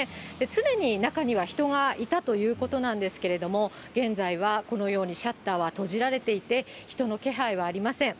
常に中には人がいたということなんですけれども、現在はこのように、シャッターは閉じられていて、人の気配はありません。